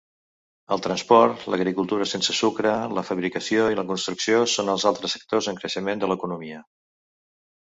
El transport, l'agricultura sense sucre, la fabricació i la construcció són els altres sectors en creixement de l'economia.